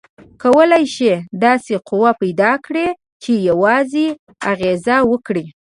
کولی شئ داسې قوه پیداکړئ چې یوازې اغیزه وکړي؟